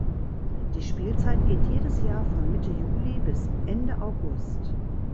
Die Spielzeit geht jedes Jahr von Mitte Juli bis Ende August.